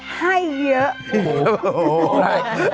ให้เยอะ